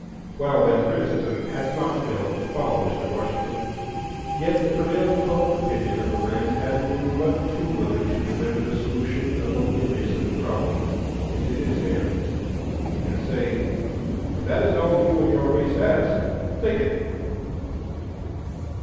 While, then, criticism has not failed to follow Mr. Washington, yet the prevailing public opinion of the land has been but too willing to deliver the solution of a wearisome problem into his hands, and say, "If that is all you and your race ask, take it."